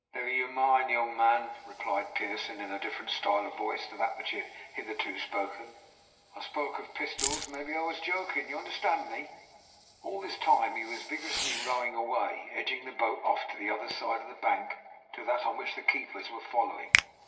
"Never you mind, young man," replied Pearson, in a different style of voice to that which he had hitherto spoken. "If I spoke of pistols, maybe I was joking: you understand me?" All this time he was vigorously rowing away, edging the boat off to the other side of the bank to that on which the keepers were following.